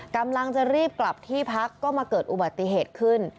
กำลังจะรีบกลับที่พักก็มาเกิดอุบัติเหตุขึ้น